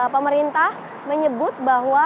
pemerintah menyebut bahwa